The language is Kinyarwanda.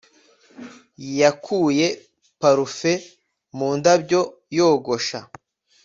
yakuye parufe mu ndabyo yogosha